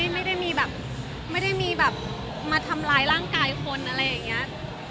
ไม่ได้มีแบบไม่ได้มีแบบมาทำร้ายร่างกายคนอะไรอย่างนี้